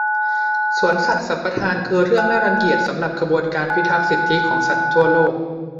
สวนสัตว์สัมปทานคือเรื่องน่ารังเกียจสำหรับขบวนการพิทักษ์สิทธิของสัตว์ทั่วโลก